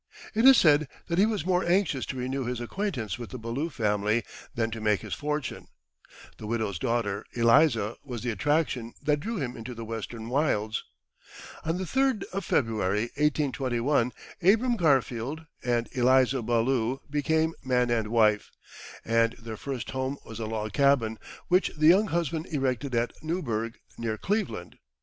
It is said that he was more anxious to renew his acquaintance with the Ballou family than to make his fortune. The widow's daughter Eliza was the attraction that drew him into the Western wilds. On the third of February 1821, Abram Garfield and Eliza Ballou became man and wife, and their first home was a log cabin, which the young husband erected at Newburg, near Cleveland.